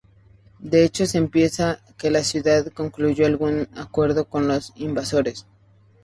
De hecho, se piensa que la ciudad concluyó algún acuerdo con los invasores.